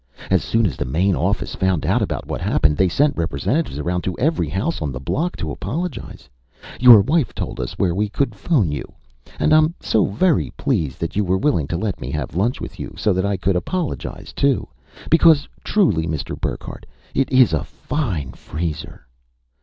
As soon as the main office found out about what happened, they sent representatives around to every house on the block to apologize. Your wife told us where we could phone you and I'm so very pleased that you were willing to let me have lunch with you, so that I could apologize, too. Because truly, Mr. Burckhardt, it is a fine freezer.